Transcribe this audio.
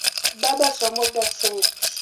Baba somo gaset.